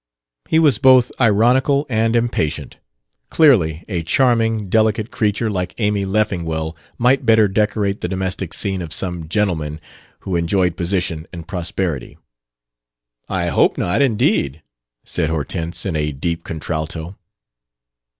He was both ironical and impatient. Clearly a charming, delicate creature like Amy Leffingwell might better decorate the domestic scene of some gentleman who enjoyed position and prosperity. "I hope not, indeed," said Hortense, in a deep contralto.